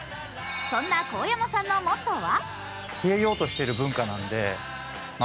そんな神山さんのモットーは？